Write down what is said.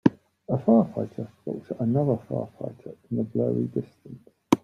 A firefighter looks at another firefighter in the blurry distance.